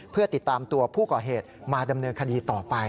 เพื่อติดตามตัวผู้ก่อเหตุมาดำเนินคดีต่อไป